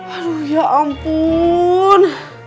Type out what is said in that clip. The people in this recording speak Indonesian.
aduh ya ampun